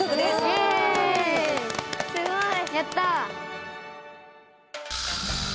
えすごい！